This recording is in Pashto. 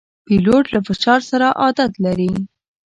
پیلوټ له فشار سره عادت لري.